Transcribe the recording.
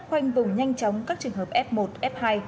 khoanh vùng nhanh chóng các trường hợp f một f hai